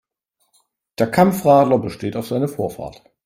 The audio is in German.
Der Kampfradler besteht auf seine Vorfahrt.